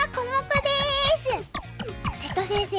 瀬戸先生